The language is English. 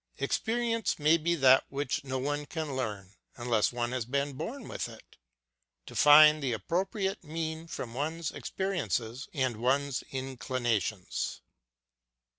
Experience may be that which no one can learn unless one has been born with it : to find the appropriate mean from one's experiences and one's inclinations.